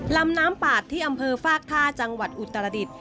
ลำน้ำปาดที่อำเภอฟากท่าจังหวัดอุตรดิษฐ์